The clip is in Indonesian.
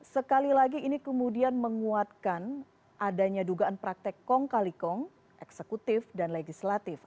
sekali lagi ini kemudian menguatkan adanya dugaan praktek kong kali kong eksekutif dan legislatif